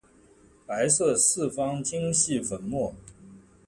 白色四方晶系粉末。